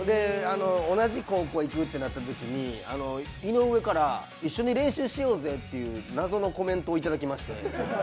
同じ高校行くってなったときに井上から、一緒に練習しようぜという、謎のコメントをいただきまして。